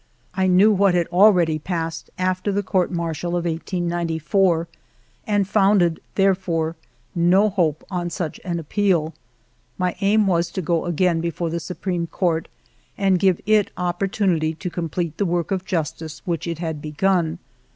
I knew what had already passed after the Court Martial of 1894; and founded, therefore, no hope on such an appeal. My aim was to go again before the Supreme Court, and give it opportunity to com plete the work of justice which it had begun.